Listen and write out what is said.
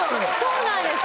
そうなんです。